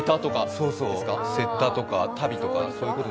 せったとかたびとか。